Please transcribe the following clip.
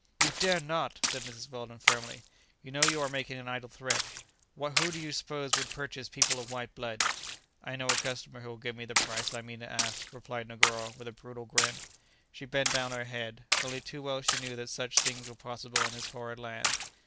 "You dare not!" said Mrs. Weldon firmly; "you know you are making an idle threat; who do you suppose would purchase people of white blood?" "I know a customer who will give me the price I mean to ask," replied Negoro with a brutal grin. She bent down her head; only too well she knew that such things were possible in this horrid land.